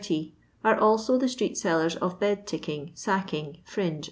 cL are alio the street^tellen of bod tick ing, sacking, frioge, &e.